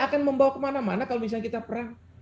akan membawa kemana mana kalau misalnya kita perang